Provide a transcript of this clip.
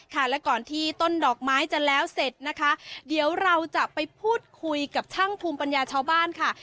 และก่อนที่ต้นดอกไม้จะแล้วเสร็จนะคะเดี๋ยวเราจะไปพูดคุยกับช่างภูมิปัญญาชาวบ้านค่ะ